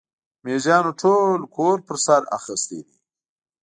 مېږيانو ټول کور پر سر اخيستی دی.